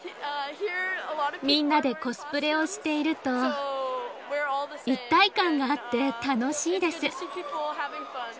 みんなでコスプレをしていると、一体感があって、楽しいです。